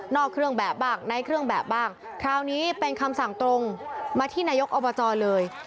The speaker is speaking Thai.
เครื่องแบบบ้างในเครื่องแบบบ้างคราวนี้เป็นคำสั่งตรงมาที่นายกอบจเลย